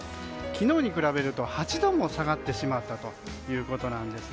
昨日に比べると８度も下がってしまったということです。